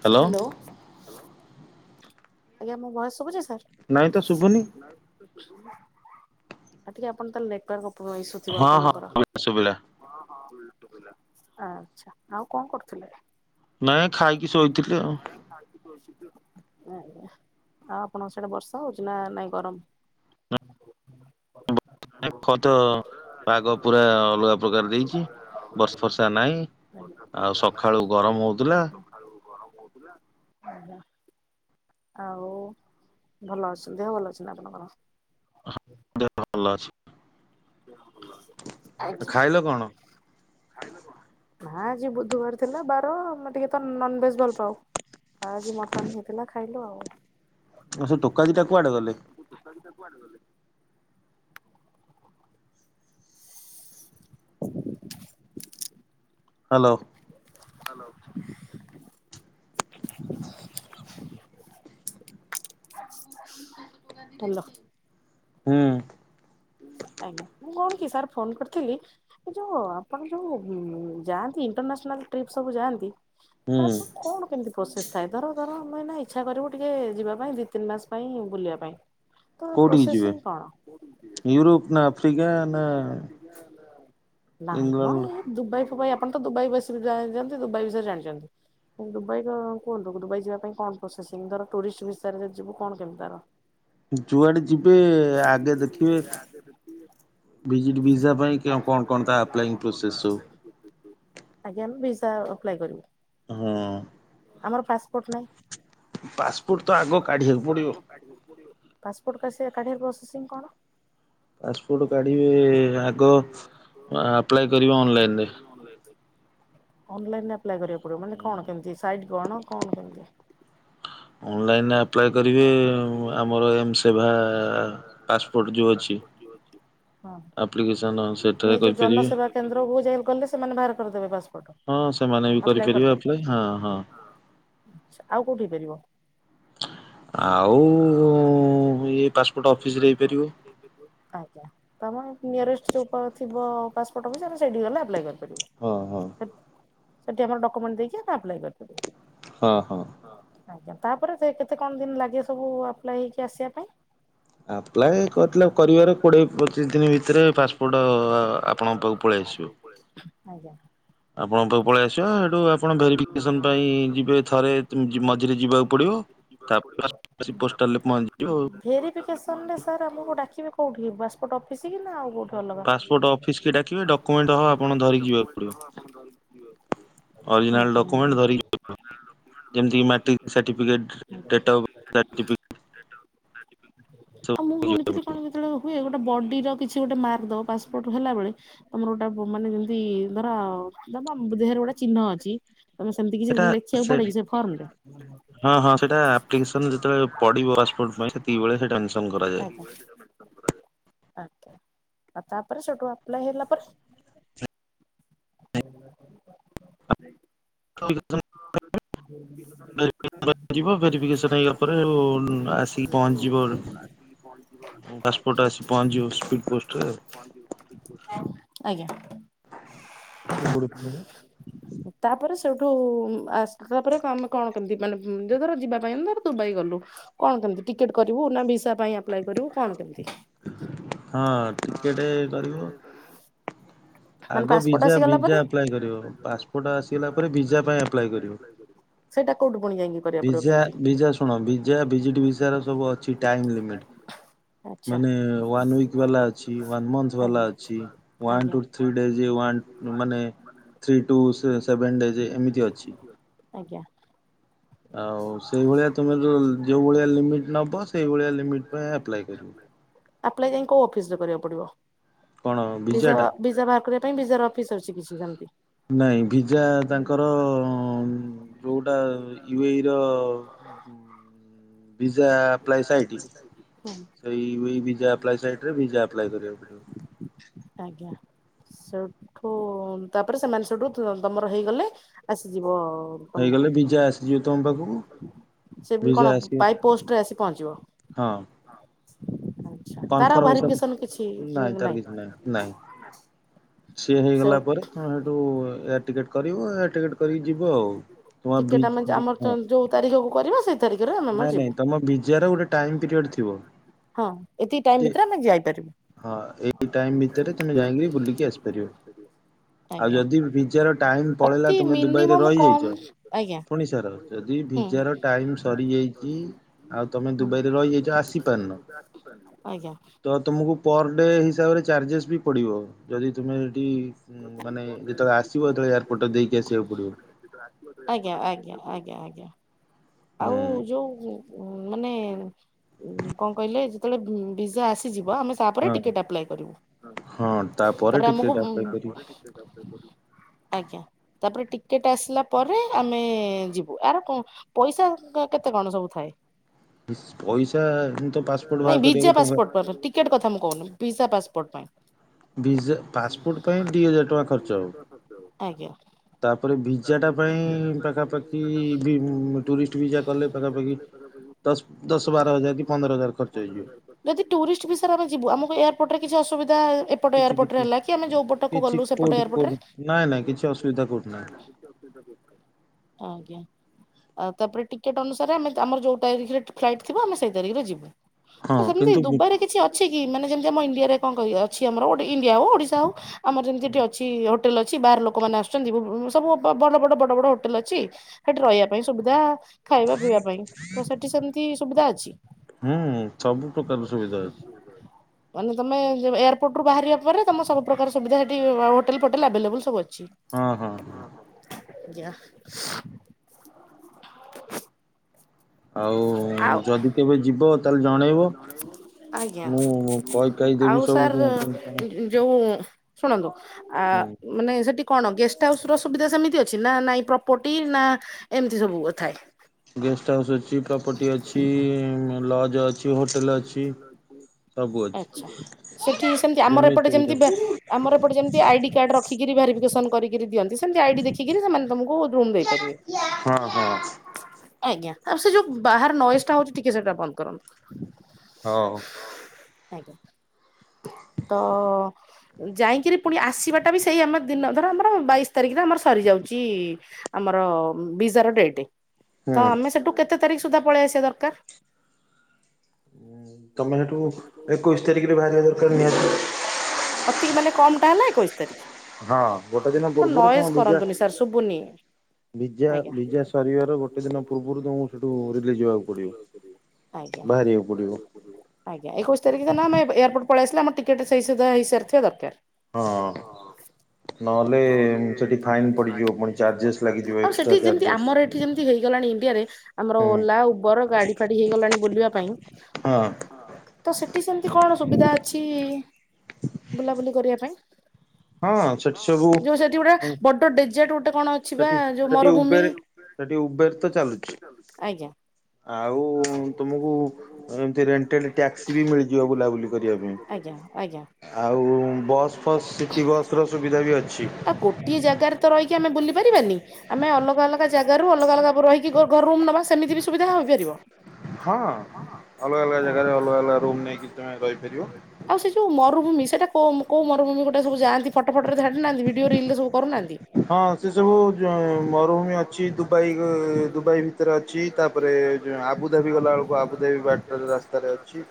Hello hello ଆଜ୍ଞା ମୋ voice ଶୁବୁଛି ସାର୍? ନାଇଁ ତ ଶୁଭୁନି। ଆ ଟିକେ ଆପଣ ତାହେଲେ ନେଟୱର୍କ ଇସୁଥିବ ଆପଣଙ୍କର। ହଁ ଶୁଭିଲା ହଁ ଅବିକା ସୁବିଲା, ଆଚ୍ଛା ଆଉ କଣ କରୁଥିଲେ? ନାଇଁ ଖାଇକି ଶୋଇଥିଲି ଆଉ। ହୁଁ। ଆଉ ଆପଣଙ୍କ ସେଇଟା ବର୍ଷା ହଉଛି, ନା ନାଇଁ ଗରମ? ଏପଟ ପାଗ ପୁରା ଅଲଗା ପ୍ରକାର ଦେଇଛି, ବର୍ଷ ଫର୍ଷା ନାହିଁ। ଆଉ ସକାଳୁ ଗରମ ହଉଥିଲା। ଆଳୁ ଗରମ ହଉଥିଲା। ଆଉ ଭଲ ଅଛନ୍ତି, ଦେହ ଭଲ ଅଛନ୍ତି ଆପଣଙ୍କର? ଦେହ ପା ଭଲ ଅଛି ଆଜ୍ଞା ଖାଇଲ କଣ? ନା ଆଜି ବୁଧବାର ଥିଲା, ବାର ଅ ଟିକେ ତ ନନଭେଜ ଭଲ ପାଉ, ଆଉ ଆଜି ମଟନ ହେଇଥିଲା ଖାଇଲୁ ଆଉ ଆ ସେ ଟୋକା ଦୀ ଟା କୁଆଡେ ଗଲେ? [unintelligible] Hello, hello. ହାଲୋ। ହୁଁ। ଆଜ୍ଞା ମୁଁ କଣ କି ସାର୍ ଫୋନ କରିଥିଲି? ଏ ଯୋଉ ଆପଣ ଯୋଉ, ଯାଆନ୍ତି ଇଣ୍ଟରନ୍ୟାସନାଲ ଟ୍ରିପ ସବୁ ଯାଆନ୍ତି ହୁଁ ତାର ସବୁ କଣ କେମିତି ପ୍ରୋସେସ ଥାଏ ଧର ଧର, ଆମେ ନା ଇଚ୍ଛା କରିବୁ ଟିକେ ଯିବା ପାଇଁ, ଦିଇ ତିନି ମାସ ପାଇଁ ବୁଲିବା ପାଇଁ ତ କୋଉଠିକି ଯିବେ ପ୍ରୋସେସିଂ କଣ? [unintelligible] ନାଇଁ ମ ଇଂଲଣ୍ଡ ଦୁବାଇ ଫୁବାଇ ପାଇଁ ଆପଣ ତ ଦୁବାଇ ବସିକି ଜାଣିଛନ୍ତି, ଦୁବାଇ ବିଷୟରେ ଜାଣିଛନ୍ତି। ଦୁବାଇ କୁହନ୍ତୁ, ଦୁବାଇ ଯିବା ପାଇଁ କଣ ପ୍ରୋସେସିଂ, ଧର ଟୁରିଷ୍ଟ ବିଷୟରେ ଯିବୁ କଣ କେମିତି ତାର? ଯୁଆଡେ ଯିବେ ଆଗେ ଦେଖିବେ ବିଜିଟ ଭିଜା ପାଇଁ କଣ କଣ ତା ଆପ୍ଲାଇଂ ପ୍ରୋସେସ୍ ସୁ? ଆଜ୍ଞା ଆମେ ଭିଜା ଅପ୍ଲାଏ କରିବୁ। ହଁ ଆମର ପାସପୋର୍ଟ ନାହିଁ। ପାସପୋର୍ଟ ତ ଆଗ କାଢିବାକୁ ପଡିବ ପାସ୍ସପୋର୍ଟ ପ୍ରସେସିଂ କଣ? ପାସ୍ପୋର୍ଟ କାଢ଼ିବେ, ଆଗ ଆପ୍ଲାଏ କରିବେ ଅନଲାଇନ୍ ରେ ଅନଲାଇନରେ ଆପ୍ଲାଏ କରିବାକୁ ପଡିବ, ମାନେ କଣ କେମିତି ସାଇଟ୍ କଣ କଣ କେମିତି? ଅନଲାଇନ ରେ ଆପ୍ଲାଏ କରିବେ ଆମର ଏମ ସେବା ପାସପୋର୍ଟ ଯୋଉ ଅଛି ହଁ। ଆପ୍ଲିକେସନ ସେଟ ନାଇଁ ଯୋଉ କହିପାରିବେ। ଜନସେବା କେନ୍ଦ୍ରକୁ ଯାଇକି ଗଲେ ସେମାନେ ବାହାର କରିଦବେ ପାସ୍ପୋର୍ଟ ହଁ ସେମାନେ ବି କରିପାରିବେ ଆପ୍ଲାଇ ହଁ ହଁ ଆଉ କୋଉଠି ହେଇପାରିବ ଆଉ ଇଏ ପାସ୍ପୋର୍ଟ ଅଫିସରେ ହେଇପାରିବ। ଆଜ୍ଞା ତ ଆମେ ନିୟରେଷ୍ଟ ଯୋଉ ଥିବ ପାସପୋର୍ଟ ଅଫିସ ଆମେ ସେଇଠିକି ଗଲେ ଆପ୍ଲାଏ କରିପାରିବୁ। ହଁ ହଁ। ସେଠି ଆମର ଡକୁମେଣ୍ଟ ଦେଇକି ଆ ଆପ୍ଲାଏ କରିପାରିବେ। ହଁ ହଁ। ଆଜ୍ଞା ତାପରେ ସେ କେତେ କଣ ଦିନ ଲାଗେ ସବୁ ଆପ୍ଲାଏ ହେଇକି ଆସିବା ପାଇଁ? ଆପ୍ଲାଏ କ ଲ କରିବାର କୋଡ଼ିଏ ପଚିଶ ଦିନ ଭିତରେ ପାସ୍ପୋର୍ଟ ଆପଣଙ୍କ ପାଖକୁ ପଳେଇ ଆସିବ। ଆଜ୍ଞା। ଆପଣଙ୍କ ପାଖକୁ ପଳେଇ ଆସିବା ସେଠୁ ଆପଣ ଭେରିଫିକେସନ ପାଇଁ ଯିବେ ଥରେ ମଝିରେ ଯିବାକୁ ପଡିବ। ତାପ ଆସି ପୋଷ୍ଟାଲରେ ପହଞ୍ଚିଯିବ ଆଉ। ଭେରିଫିକେସନରେ ସାର୍ ଆମକୁ ଡାକିବେ କୋଉଠି ପାପୋର୍ଟ ଅଫିସ୍ କି ନା ଆଉ କେଉଁଠି? ଅଲଗା। ପାସପୋର୍ଟ ଅଫିସ କି ଡାକିବେ ଡକ୍ୟୁମେଣ୍ଟ ସହ ଆପଣ ଧରିକି ଯିବାକୁ ପଡିବ ଅରିଜିନାଲ ଆଜ୍ଞା ଆଜ୍ଞା ଡକୁମେଣ୍ଟ ଧରିକି ଆସିବ। [unintelligible] ଡେଟ୍ ଅଫ୍ ବର୍ଥ ସାର୍ଟିଫିକେଟ ସବୁ ଆଉ ମୁଁ ଯିବାକୁ ଶୁଣିଥିଲି ପଡ଼ିବ। କଣ ଯେତେବେଳେ ହୁଏ ଗୋଟେ ବଡିର କିଛି ଗୋଟେ ମାର୍କ ଦବ? ପାସପୋର୍ଟ ହେଲା ବେଳେ ତମର ଗୋଟେ ମାନେ ଯେମିତି ଧର ତମମ ଦେହରେ ଗୋଟେ ଚିହ୍ନ ଅଛି। ତମେ ସେମିତି କିଛି ଲେଖିବାକୁ ପଡେ କିି ସେ ଫର୍ମ ରେ? ହଁ ହଁ ସେଇଟା ଆପ୍ଲିକେସନ ଯେତେବେଳେ ପଡିବ ପାସପୋର୍ଟ ପାଇଁ ସେତିକିବେଳେ ସେଟା ମେନସନ କରାଯାଏ। ଆଚ୍ଛା ଆଉ ତାପରେ ସେଠୁ ଅପ୍ଲାଏ ହେଲା ପରେ [unintelligible] [unintelligible] [unintelligible] ଭେରିଫିକେସନ ହେଇ ପରେ ଆସିକି ପହଞ୍ଚିିବ। ପହଞ୍ଚିବ। ପାସପୋର୍ଟ ଆସି ପହଁଞ୍ଚିଯିବ ସ୍ପିଡ୍ ପୋଷ୍ଟରେ ଆଉ। ଆ [unintelligible] ତାପରେ ସେଇଠୁ ଆସିଲା ତାପରେ ଆମେ କଣ କେମିତି ମାନେ ଯ ଧର ଯିବା ପାଇଁ ଧର ଦୁବାଇ ଗଲୁ। କଣ କେମିତି ଟିକେଟ କରିବୁ ନା ଭିସା ପାଇଁ ଆପ୍ଲାଏ କରିବୁ କଣ କେମିତି? ହଁ ଟିକେଟ କରିବ। ମାନେ ଆଗ ପାସପୋର୍ଟ ଭିଜା ଆସିଗଲା ଭିଜା ପରେ। ଆପ୍ଲାଏ କରିବ ପାସପୋର୍ଟ ଆସିଗଲା ପରେ ଭିଜା ପାଇଁ ଆପ୍ଲାଏ କରିବ। ସେଇଟା କୋଉଠୁ ପୁଣି ଯାଇକି କରିବାକୁ ପଡିବ ଭିଜା କେମିତି ଭିଜା ଶୁଣ ଭିଜା ଭିଜିଟ୍ ଭିଜ ର ସବୁ ଅଛି ଟାଇମ୍ ଲିମିଟ୍। ଆଚ୍ଛା ମାନେ ୱାନ୍ ୱିକ ବାଲା ଅଛି। ୱାନ୍ ମନ୍ଥ ବାଲା ଆଜ୍ଞା ଅଛି। ଆଜ୍ଞା one two three days one ମାନେ ଥ୍ରୀ ଟୁ ସେଭେନ ଡେଜ ଏମିତି ଅଛି। ଆଜ୍ଞା। ଆଉ ସେଇଭଳିଆ ତୁମେ ଯୋଉ ଯୋଉ ଭଳିଆ ଲିମିଟ୍ ନେବ ସେଇଭଳିଆ ଲିମିଟ୍ ପାଇଁ ଆପ୍ଲାଏ କରିବ। ଆପ୍ଲାଏ ଯାଇଁ କୋଉ ଅଫିସରେ କରିବାକୁ ପଡିବ। କଣ ଭିଜାଟା? ଭିଜା ଭିଜା ବାହାର କରିବା ପାଇଁ ବିଜାର ଅଫିସ୍ ଅଛି କିଛି ସେମିତି? ନାଇଁ ଭିଜା ତାଙ୍କର ଯୋଉଟା ୟୁ ଏଇ ର ଭିଜା ଆପ୍ଲାଏ ସାଇଟ୍ ହୁଁ ସେଇ ଏଇ ଭିଜା ଆପ୍ଲାଏ ସାଇଟ୍ରେ ଭିଜା ଆପ୍ଲାଏ କରିବାକୁ ପଡ଼ିବ। ଆଜ୍ଞା। ସେଠୁ ତାପରେ ସେମାନେ ସେଠୁ ଦମର ହେଇଗଲେ ଆସିଯିବ ଆଉ। ହେଇଗଲେ ଭିଜା ଆସିଯିବ ତମ ପାଖକୁ। ସେ ବି କଣ ଭିଜା ଆସିବ ବାଇ ପୋଷ୍ଟରେ ଆସି ପହଞ୍ଚିବ। ହଁ ଆଜ୍ଞା। ତାର ଆଉ ଭାରି କନଫର୍ମେସନ ପିସନ କିଛି ତାର ନାଇଁ କିଛି ନାହିଁ ନାଇଁ ସିଏ ସେ ହେଇଗଲା ପରେ ତମେ ସେଇଠୁ ଏୟାର ଟିକେଟ କରିବ ଏୟାର ଟିକେଟ କରିକି ଯିବ ଆଉ। ଟିକେଟ ଆମେ ଆମର [unintelligible] ଯୋଉ ତାରିଖକୁ କରିବା ସେଇ ତାରିଖରେ ଆମେ ଆମର ନାଇଁ ଯିବୁ ନାଇଁ ତମ ବିଜୟ ର ଗୋଟେ ଟାଇମ ପିରିୟଡ଼ ଥିବ। ହଁ ଏତିକି ଟାଇମ ଯେ ଭିତରେ ଆମେ ଯାଇପାରିବୁ। ହଁ ଏଇ ଟାଇମ ଭିତରେ ତମେ ଯାଇକି ବୁଲିକି ଆସିପାରିବ। ଆଉ ଆଜ୍ଞା ଯଦି ଭିଜ଼ାର ଟାଇମ ପଳେଇଲା ଅତି ତମେ ଦୁବାଇରେ ମିନିମମ୍ କମ ରହିଯାଇଛ ଆଜ୍ଞା ପୁଣି ସାର ଯଦି ହୁଁ ଭିଜାର ଟାଇମ ସରିଯାଇଛି ଆଉ ତମେ ହୁଁ ଦୁବାଇରେ ରହିଯାଇଛ ଆସିପାରିନ [unintelligible] ଆଜ୍ଞା। ତ ତୁମକୁ ପର ଡେ ହିସାବରେ ଚାର୍ଜେସ୍ ବି ପଡ଼ିବ ଯଦି ତୁମେ ସେଠି ହୁଁ ମାନେ ଯେତେବେଳେ ଆସିବ ସେତେବେଳେ ଏୟାରପୋର୍ଟ ଦେଇକି ଆସିବାକୁ ପଡ଼ିବ। ଆଜ୍ଞା ଆଜ୍ଞା ଆଜ୍ଞା ଆଜ୍ଞା ହୁଁ ଆଉ ଯୋଉ ଉ ମାନେ ଉ କଣ କହିଲେ ଯେତେବେଳେ ଭିଜା ଆସିଯିବ ଆମେ ତାପରେ ହଁ ଟିକେଟ ଆପଲୟ କରିବୁ ହଁ ତାପରେ ଆମକୁ ଟିକେଟ୍ ଆପ୍ଲାଏ କରିବି ଆଜ୍ଞା ତାପରେ ଟିକେଟ ଆସିଲା ପରେ ଆମେ ଯିବୁ ଆର କଣ ପଇସା କେତେ କଣ ସବୁ ଥାଏ? ପଇସା ତ ପାସପୋର୍ଟ ନାଇଁ ବାହାର ଭିଜା କରିବା ଟଙ୍କା ପାସପୋର୍ଟ ପାଇଁ ଟିକେଟ କଥା ମୁଁ କହୁନି ଭିଜା ପାସପୋର୍ଟ ପାଇଁ ଭିଜା ପାସପୋର୍ଟ ପାଇଁ ଦି ହଜାର ଟଙ୍କା ଖର୍ଚ୍ଚ ହବ ଆଜ୍ଞା। ତାପରେ ଭିଜା ଟା ପାଇଁ ପାଖାପାଖି ବି ଟୁରିଷ୍ଟ ଭିଜ଼ା କଲେ ପାଖାପାଖି ଦଶ ଦଶ ବାର ହଜାର କି ପନ୍ଦର ହଜାର ଖର୍ଚ୍ଚ ହେଇଯିବ। ଯଦି ଟୁରିଷ୍ଟ ଭିଜ଼ା ରେ ଆମେ ଯିବୁ ଆମକୁ ଏୟାରପୋର୍ଟରେ କିଛି ଅସୁବିଧା ଏପଟ କିଛି ଏୟାରପୋର୍ଟରେ କିଛି ହେଲା କି ଆମେ ଯୋଉ ପଟକୁ କିଛି ଗଲୁ ସେପଟ କୋଉଠି ଏୟାରପୋର୍ଟରେ କୋଉଠି ନାଇଁ ନାଇଁ କିଛି ଅସୁବିଧା କୋଉଠି ନାହିଁ। ଆଜ୍ଞା। ଆଉ ତାପରେ ଟିକେଟ୍ ଅନୁସାରେ ଆମେ ଆମର ଯୋଉ ତାରିଖରେ ଫ୍ଲାଇଟ୍ ଥିବ ଆମେ ସେଇ ତାରିଖରେ ଯିବୁ। ତ ହଁ ସେମିତି କିନ୍ତୁ ଗୁ ଦୁବାଇରେ କିଛି ଅ ଛି କି ମାନେ ଯେମିତି ଆମ ଇଣ୍ଡିଆରେ କଣ ଅଛି ଆମର ଇଣ୍ଡିଆ ହଉ ଓଡିଶା ହଉ ଆମର ଯେମତି ଅଛି ହୋଟେଲ ଅଛି ବାହାର ଲୋକମାନେ ଆସୁଛନ୍ତି ସବୁ ବଡ ବଡ ବଡ ବଡ ହୋଟେଲ ଅଛି ସେଠି ରହିଆ ପାଇଁ ସୁବିଧା ଖାଇବା ପିଇବା ପାଇଁ ତ ସେଠି ସେମତି ସୁବିଧା ଅଛି। ହୁଁ ସବୁ ପ୍ରକାର ସୁବିଧା ଅଛି। ମାନେ ତମେ ଏୟାରପୋର୍ଟରୁୁ ବାହାରିବା ପରେ ତମେ ସବୁ ପ୍ରକାର ସୁବିଧା ସେଠି ହୋଟଲ ଫୋଟେଲ ଆଭେଲେବୁଲ ସବୁ ଅଛି। ହଁ ହଁ। ହଁ [inaudible] ଆଉ ଆଉ ଯଦି କେବେ ଯିବ ତାହେଲେ ଜଣେଇବ। ଆଜ୍ଞା। ମୁଁ କହି କାହି ଦେବି ଆଉ ସବୁ ସାର୍ କେମିତି କଣ ଯୋଉ ଶୁଣନ୍ତୁ ଆ ହୁଁ ମାନେ ସେଠି କଣ ଗେଷ୍ଟ ହାଉସ ର ସୁବିଧା ସେମିତି ଅଛି ନା ନାଇଁ ପ୍ରପର୍ଟି ନା ଏମତି ସବୁ କଥାଏ। ଗେଷ୍ଟ ହାଉସ୍ ଅଛି, ପ୍ରପର୍ଟି ଅଛି, ଲଜ ଅଛି, ହୋଟେଲ ଅଛି। ସବୁ ଅଛି। ଠିକ୍ ସେମତି ଆମର ଏପଟେ ଯେମିତି ଆମର ଏପଟେ ଯେମତି ଆଇଡି କାର୍ଡ ରଖିକିରି ଭେରିଫିକେସନ କରିକିରି ଦିଅନ୍ତି ସେମତି ଆଇଡି ଦେଖିକିରି ସେମାନେ ତମକୁ ରୁମ୍ ଦେଇପାରିବେ ହଁ ହଁ ଆଜ୍ଞା। ଆଉ ସେ ଯୋଉ ବାହାରେ ନଏଜ୍ ଟା ହଉଛି ଟିକେ ସେଟା ବନ୍ଦ କରନ୍ତୁ। ହଁ। ଆଜ୍ଞା। ତ ଅଁ, ଯାଇକିରି ପୁଣି ଆସିବାଟା ବି ସେଇ ଆମ ଦିନ ଧର ଆମର ବାଇଶି ତାରିଖରେ ଆମର ସରିଯାଉଚି ଆମର ବିଜାର ଡେଟେ, ତ ହୁଁ ଆମେ ସେଠୁ କେତେ ତାରିଖ ସୁଧା ପଳେଇ ଆସିବା ଦରକାର? ତୋମେ ସେଠୁ ଏକୋଇଶି ତାରିଖରେ ବାହାରିବା ଦରକାର ନିହାତି। ଅତିକି ମାନେ କମ୍ ଟା ହେଲା ଏକୋଇଶି ତାରିଖ। ହଁ ଗୋଟେ ଦିନ ତ ପୂର୍ବରୁ ନଏଜ୍ କରନ୍ତୁନି ସାର୍ ଶୁଭୁନି। ବିଜା ଆଜ୍ଞା ବିଜା ସରିବାର ଗୋଟେ ଦିନ ପୂର୍ବରୁ ତୋମକୁ ସେଠୁ ରିଲିଜ୍ ହବାକୁ ପଡିବ। ଆଜ୍ଞା। ବାହାରିବାକୁ ପଡିବ। ଆଜ୍ଞା ଏକୋଇଶ ତାରିଖ ଦିନ ଆମେ ଏୟାରପୋଟ୍ ପଳେଇ ଆସିଲେ ଆମ ଟିକେଟ ସେଇ ସିଧା ହେଇସାରିଥିବା ଦରକାର। ହଁ। ନହେଲେ ଫାଇନ ସେଠି ପଡିଯିବ ଫାଇନ୍ ପଡ଼ିଯିବ ପୁଣି ଚାର୍ଜେସ୍ ଲାଗିଯିବ ସେଠି। ଏକ୍ସଟ୍ରା ଠି ଚାର୍ଜେସ୍। ଯେମତି ହେଇଗଲାଣି ଇଣ୍ଡିଆରେ। ଆମର ହୁଁ ଓଲା ଉବର ଗାଡି ଫାଡି ହେଇଗଲାଣି ବୁଲିବା ପାଇଁ। ହଁ ତ ସେଠି ସେମିତି କଣ ସୁବିଧା ଅଛି? ବୁଲାବୁଲି କରିବା ପାଇଁ ହଁ ସେଠି ସବୁ ଯୋଉ ସେଠି ଗୋଟେ ହୁଁ ବଡ ଡେଜଟ୍ ଗୋଟେ କଣ ଅ ସେଠି ସେଠି ଉବେର୍ ସେଠି ଉବେର୍ ତ ଚାଲୁଚି। ଆଜ୍ଞା। ଆଉ ତୁମକୁ ଏମିତି ରେଣ୍ଟେଲି ଟ୍ୟାକ୍ସି ବି ମିଳିଯିବ ବୁଲାବୁଲି କରିବା ପାଇଁ। ଆଜ୍ଞା, ଆଜ୍ଞା। ଆଉ ବସ୍ ଫସ୍ ସିଟି ବସ୍ ର ସୁବିଧା ବି ଅଛି। ଟିଏ ଜାଗାରେ ତ ରହିକି ଆମେ ବୁଲି ପାରିବାନି, ଆମେ ଅଲଗା ଅଲଗା ଜାଗାରୁ ଅଲଗା ଅଲଗା ରହିିକି ଘର ଘର ରୁମ୍ ନବା ସେମିତି ବି ସୁବିଧା ହୋଇପାରିବ? ହଁ ଅଲଗା ଅଲଗା ଜାଗାରେ ଅଲଗା ଅଲଗା ରୁମ୍ ନେଇକି ତୁମେ ରହିପାରିବ। ଆଉ ସେ ଯୋଉ ମରୁଭୂମି ସେଟା କୋ- କୋଉ ମରୁଭୂମି ଗୋଟେ ସବୁ ଯାଆନ୍ତି? ଫଟୋ ଫଟୋ ରେ ଛାଡୁ ନାହାନ୍ତି, ଭିଡିଓ ରିଲ୍ ରେ ସବୁ କରୁନାହାନ୍ତି। ହଁ ସେ ସବୁ ଯ-ଅ, ମରୁଭୂମି ଅଛି ଗ-ଅ, ଦୁବାଇ ଭିତରେ ଅଛି, ତାପରେ ଯୋ ଆବୁ ଦାବି ଗଲାବେଳକୁ ଆବୁଦାବି ବାଟରେ ରାସ୍ତାରେ ଅଛି।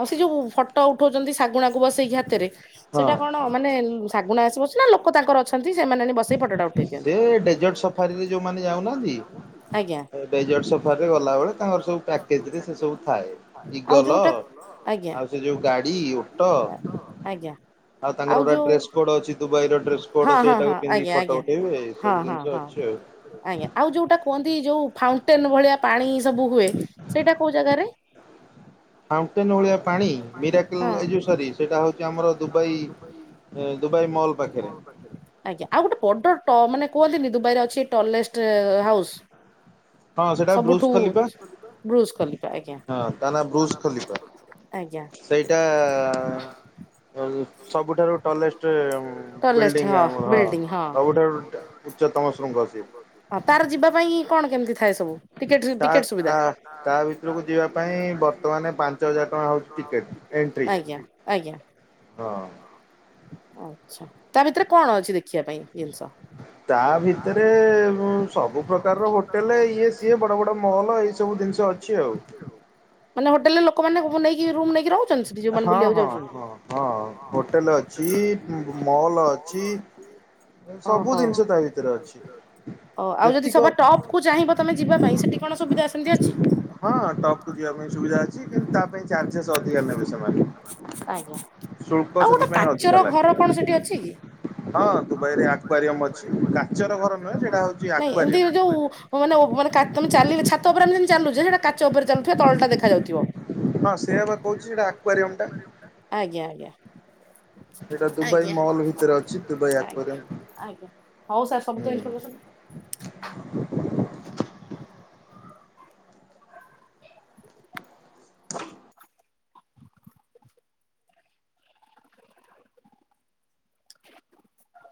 ଆଉ ସେ ଯୋଉ ଫଟୋ ଉଠଉଚନ୍ତି ଶାଗୁଣାକୁ ବସେଇକି ହାତରେ ହଁ। ସେଟା କଣ ମାନେ ଉଁ ଶାଗୁଣା ଆସି ବସୁଛି ନା ଲୋକ ତାଙ୍କର ଅଛନ୍ତି ସେମାନେ ହେନେ ବସେଇ ଫଟୋ ଟା ଉଠେଇ ସେ ଦିଅନ୍ତି? ଡେଜର୍ଟ ସଫାରିରେ ଆଜ୍ଞା। ଡେଜଟ୍ ସଫର ରେ ଗଲାବେଳେ ତାଙ୍କର ସବୁ ପ୍ୟାକେଜ୍ ରେ ସେ ସବୁ ଥାଏ, ଆଉ ଇଗଲ ଯୋଉଟା ଆଜ୍ଞା ଆଉ ସେ ଯୋଉ ଗାଡି ଓଟୋ ଆଜ୍ଞା ଆଉ ତାଙ୍କର ଗୋଟ ଡ୍ରେସ୍ କୋଡ୍ ଅଛି, ଦୁବାଇର ଡ୍ରେସ୍ କୋଡ୍ ହଁ ଅଛି, ହଁ ଏଇଟା ହଁ ଗୋ ଆଜ୍ଞା, ଆଜ୍ଞା, ହଁ, ହଁ, ହଁ। ଆଉ। ଆଜ୍ଞା ଆଉ ଯୋଉଟା କୁହନ୍ତି ଯୋଉ ଫାଉଣ୍ଟେନ୍ ଭଳିଆ ପାଣି ସବୁ ହୁଏ ସେଇଟା କୋଉ ଜାଗାରେ? ମାଉଣ୍ଟେନ ଭଳିଆ ପାଣି ମିରାକିଲ୍ ହଁ ଏଇ ଯୋଉ ସରି ସେଟା ହଉଚି ଆମର ଦୁବାଇ ଏ ଦୁବାଇ ମଲ୍ ପାଖରେ। ଆଜ୍ଞା ଆଉ ଗୋଟେ ବଡ ଟ-ମାନେ କୁହନ୍ତିନି ଦୁବାଇରେ ଅଛି ଟଲେଷ୍ଟ ହାଉସ୍? ହଁ ସେଟା ସବୁଠୁ ବୃଜଖଲିପା ବ୍ରୁଜ ଖଲିଫା ଆଜ୍ଞା ହଁ ତା ନାଁ ବୃଜଖଲିପା। ଆଜ୍ଞା। ସବୁ ସବୁଠାରୁ ଟଲେଷ୍ଟେ ଉଁ, ବିଲ୍ଡିଙ୍ଗ ଆମର ହଁ ସବୁଠାରୁ ଟ ଉଚ୍ଚ ତମ ଶୃଙ୍ଗ ସିଏ। ହଁ ତାର ଯିବା ପାଇଁ କଣ କେମିତି ଥାଏ ସବୁ ଟିକେଟ୍ ତା ଟିକେଟ୍ ସୁବିଧା ତା ତା ଭିତରକୁ ଯିବା ପାଇଁ ବର୍ତ୍ତମାନ ପାଞ୍ଚ ହଜାର ଟଙ୍କା ହଉଛି ଟିକେଟ ଏଣ୍ଟ୍ରି। ଆଜ୍ଞା। ଆଜ୍ଞା। ହଁ। ଆଛା ତା ଭିତରେ କଣ ଅଛି ଦେଖିବା ପାଇଁ ଜିନିଷ? ତା ଭିତରେ ଉ ସବୁ ପ୍ରକାରର ହୋଟେଲ ଇଏ ସିଏ ବଡ ବଡ ମଲ୍ ଏଇ ସବୁ ଜିନିଷ ଅଛ ଅଛି ଆଉ। ମାନେ ହୋଟେଲରେ ଲୋକମାନେ ମୁ ନେଇକି ରୁମ ନେଇକି ରହୁଛନ୍ତି ସେଠି ଯୋଉମାନେ ହଁ ବୁଲିବାକୁ ହଁ ଯାଉଚନ୍ତି? ହଁ ହଁ ହୋଟେଲ ଅଛି ମ ମଲ ଅଛି। ସବୁ ଓହୋ। ଜିନିଷ ତା ଭିତରେ ଅଛି ଓ ଆଉ ଯଦି ସବା ଯେତିକ ଟପ୍ କୁ ଚାହିଁବ ତମେ ଯିବା ପାଇଁ ସେଠି କଣ ସୁବିଧା ସେମିତି ଅଛି? ହଁ ଟପ୍ କୁ ଯିବା ପାଇଁ ସୁବିଧା ଅଛି କିନ୍ତୁ ତା ପାଇଁ ଚାର୍ଜେସ୍ ଅଧିକା ନେବେ ସେମାନେ। ଆଜ୍ଞା। ଶୁଳ୍କ ଆଉ ଗୋଟେ ସେଥିପାଇଁ ଅଧିକା କାଚର ଘର ଲାଗେ। କଣ ସେଠି ଅଛି କି? ହଁ ଦୁବାଇରେ ଆକ୍ୱାରିୟମ୍ ଅଛି କାଚର ଘର ନୁହେଁ ସେଇଟା ହଉଚି ଆକ୍ୱାରିୟମ୍। ହଁ ମାନେ ଓ ମାନେ କା ତମେ ଚାଲିଲେ ଛାତ ଉପରେ ଆମେ ଯେମିତି ଚାଲୁଚେ ସେଇଟା କାଚ ଉପରେ ଚାଲୁଥିବା ତଳଟା ଦେଖାଯାଉଥିବ। ହଁ ସେୟା ବା କହୁଚି ହେଟା ଆକ୍ୱାରିୟମ୍ ଟା। ଆଜ୍ଞା ଆଜ୍ଞା। ସେଇଟା ଦୁବାଇ ଆଜ୍ଞା। ମହଲ୍ ଭିତରେ ଅଛି ଦୁବାଇ ଆଜ୍ଞା ଆକ୍ୱାରିୟମ୍ ଆଜ୍ଞା ହଉ ସାର୍ ସବୁ ତ ହୁଁ। ଇନ୍ଫୋର୍ମସନ୍